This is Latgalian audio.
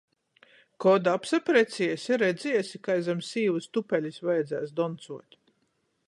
Kod apsapreciesi, redziesi, kai zam sīvys tupelis vajadzēs doncuot.